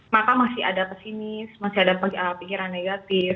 maka masih ada pesimis masih ada pikiran negatif